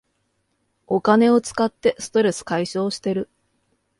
お金を使ってストレス解消してる